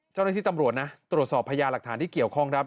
เจ้าหน้าที่ตำรวจนะตรวจสอบพญาหลักฐานที่เกี่ยวข้องครับ